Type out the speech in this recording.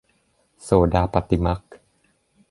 โสดาปัตติมรรค